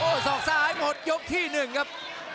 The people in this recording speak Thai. โอ้ยสอกซ้ายหมดยกที่หนึ่งครับ